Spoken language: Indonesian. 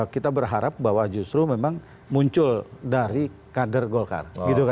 kita berharap bahwa justru memang muncul dari kader golkar